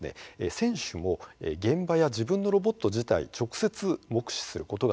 選手も現場や自分のロボット自体直接目視することができません。